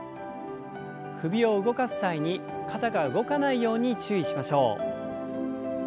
首を動かす際に肩が動かないように注意しましょう。